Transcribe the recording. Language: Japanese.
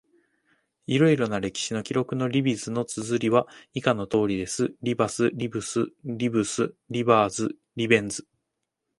いろいろな歴史の記録のリビスの他のつづりは、以下の通りです：リバス、リブス、リブス、リバーズ、リベンズ。